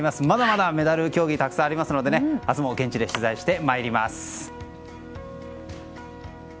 まだまだメダル競技がたくさんありますので明日も現地で取材します。